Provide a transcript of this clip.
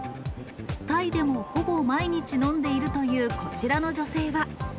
タイでもほぼ毎日飲んでいるというこちらの女性は。